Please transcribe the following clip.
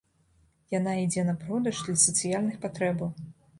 Яна ідзе на продаж для сацыяльных патрэбаў.